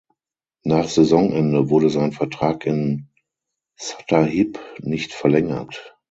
Nach Saisonende wurde sein Vertrag in Sattahip nicht verlängert.